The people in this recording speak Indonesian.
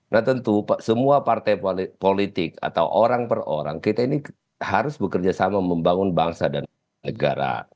nah tentu semua partai politik atau orang per orang kita ini harus bekerja sama membangun bangsa dan negara